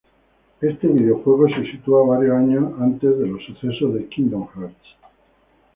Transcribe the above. Este videojuego se sitúa varios años antes de los sucesos de "Kingdom Hearts".